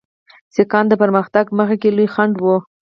سیکهان د پرمختګ په مخ کې لوی خنډ وو.